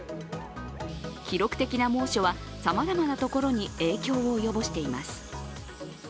記録的な猛暑は、さまざまなところに影響を及ぼしています。